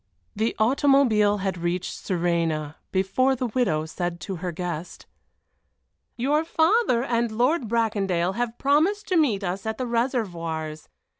The automobile had almost reached Suresnes before the widow said to her guest: "Your father and Lord Bracondale have promised to meet us at the Réservoirs.